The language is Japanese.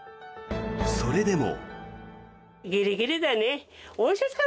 それでも。